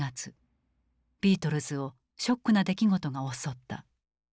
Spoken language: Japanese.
ビートルズをショックな出来事が襲った。